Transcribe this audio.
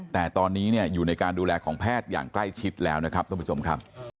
แต่ตอนนี้อยู่ในการดูแลของแพทย์อย่างใกล้ชิดแล้วนะครับท่านผู้ชมครับ